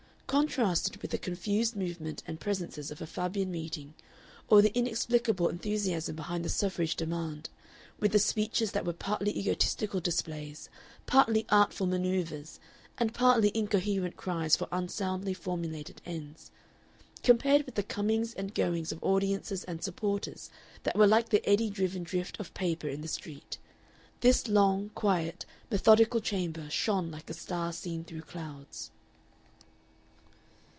Contrasted with the confused movement and presences of a Fabian meeting, or the inexplicable enthusiasm behind the suffrage demand, with the speeches that were partly egotistical displays, partly artful manoeuvres, and partly incoherent cries for unsoundly formulated ends, compared with the comings and goings of audiences and supporters that were like the eddy driven drift of paper in the street, this long, quiet, methodical chamber shone like a star seen through clouds.